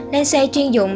lên xe chuyên dụng